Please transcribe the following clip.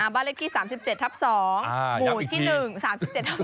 บ้านเลขที่๓๗ทับ๒หมู่ที่๑๓๗ทับ๑